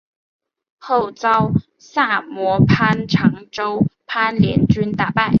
后遭萨摩藩长州藩联军打败。